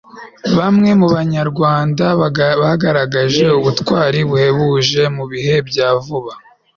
bamwe mu banyarwanda bagaragaje ubutwari buhebuje mu bihe bya vuba